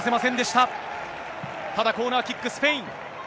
ただ、コーナーキック、スペイン。